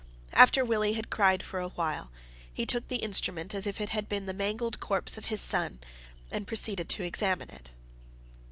After Willie had cried for a while, he took the instrument as if it had been the mangled corpse of his son, and proceeded to examine it.